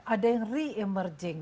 ada yang re emerging